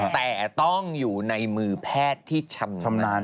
แต่ต้องอยู่ในมือแพทย์ที่ชำนาญเท่านั้น